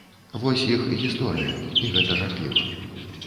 Вось іх гісторыя, і гэта жахліва.